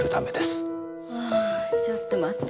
あぁちょっと待って。